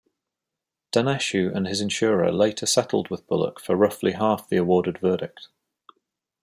Daneshjou and his insurer later settled with Bullock for roughly half the awarded verdict.